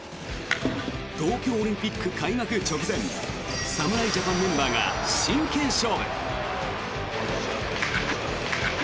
東京オリンピック開幕直前侍ジャパンメンバーが真剣勝負！